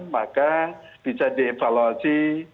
maka bisa dievaluasi